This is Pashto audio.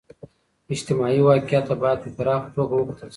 اجتماعي واقعیت ته باید په پراخه توګه و کتل سي.